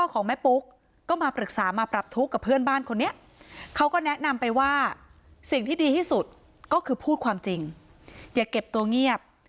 ก็คือพูดความจริงอย่าเก็บตัวเงียบ